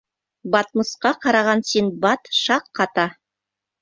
Батмусҡа ҡараған Синдбад шаҡ ҡата.